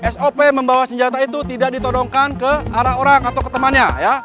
sop membawa senjata itu tidak ditodongkan ke arah orang atau ke temannya